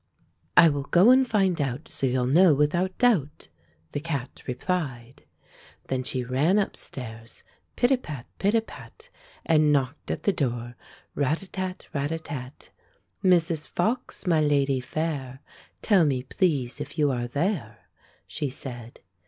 "I will go and find out So you'll know without doubt," — the cat replied. Then she ran upstairs, pit a pat, pit a pat. And knocked at the door, rat a tat, rat a tat! "Mrs. Fox, my lady fair. Tell me, please, if you are there," — she said.